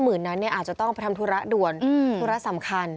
คือบางที๕๐๐๐๐นั้นอาจจะต้องไปทำธุระด่วนธุระสำคัญ